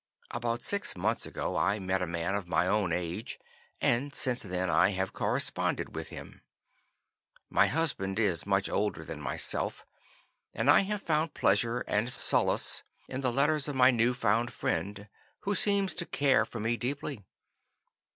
About six months ago I met a man of my own age, and since then I have corresponded with him. My husband is much older than myself, and I have found pleasure and solace in the letters of my new found friend who seems to care for me deeply.